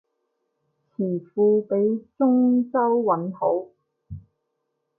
詞庫畀中州韻好